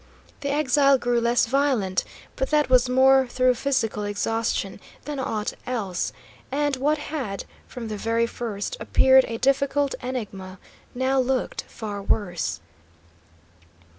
The exile grew less violent, but that was more through physical exhaustion than aught else, and what had, from the very first, appeared a difficult enigma, now looked far worse.